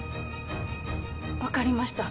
わかりました。